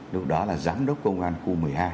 lúc đó là giám đốc công an khu một mươi hai